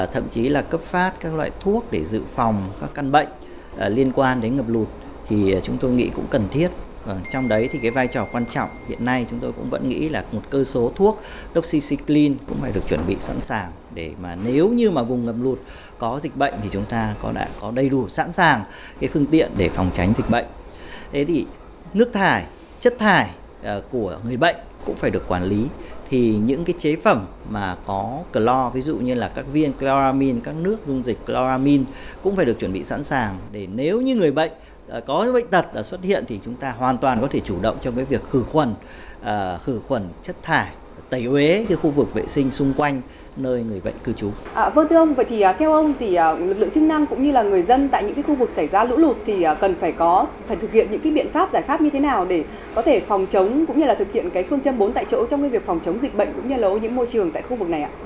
theo ông thì lực lượng chức năng cũng như là người dân tại những khu vực xảy ra lũ lụt thì cần phải thực hiện những biện pháp giải pháp như thế nào để có thể phòng chống cũng như là thực hiện phương châm bốn tại chỗ trong việc phòng chống dịch bệnh cũng như là ở những môi trường tại khu vực này ạ